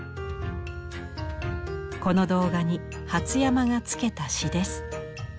この童画に初山がつけた詩です。